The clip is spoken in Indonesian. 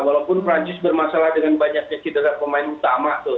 walaupun perancis bermasalah dengan banyaknya cedera pemain utama tuh